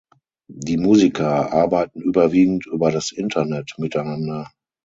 Die Musiker arbeiten überwiegend über das Internet miteinander.